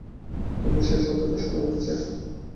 তবুও সেই শব্দটা স্পষ্ট শোনা যাচ্ছে।